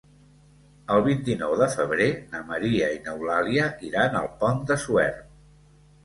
El vint-i-nou de febrer na Maria i n'Eulàlia iran al Pont de Suert.